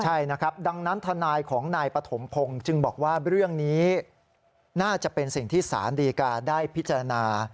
ใช่นะครับดังนั้นทนายของนายปฐมพงศ์จึงบอกว่าเรื่องนี้น่าจะเป็นสิ่งที่ศาลดีกาได้พิจารณา